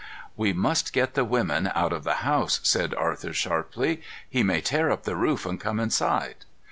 "We must get the women out of the house," said Arthur sharply. "He may tear up the roof and come inside.